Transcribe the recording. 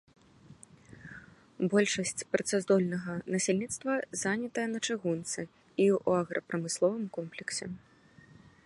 Большасць працаздольнага насельніцтва занятая на чыгунцы і ў аграпрамысловым комплексе.